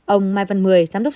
ông mai văn mười giám đốc